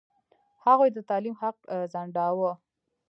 هغوی د تعلیم حق ځنډاوه.